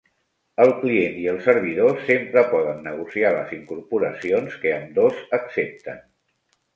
El client i el servidor sempre poden negociar les incorporacions que ambdós accepten.